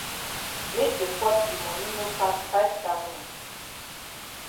Make the pot yi moni no pass five thousand.